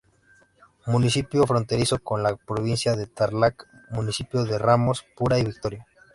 Municipio fronterizo con la provincia de Tarlac, municipios de Ramos, Pura y Victoria.